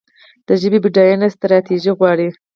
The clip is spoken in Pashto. د ژبې بډاینه ستراتیژي غواړي.